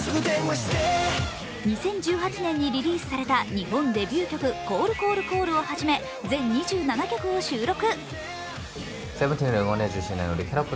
２０１８年にリリースされた日本デビュー曲「ＣＡＬＬＣＡＬＬＣＡＬＬ！」をはじめ全２７曲を収録。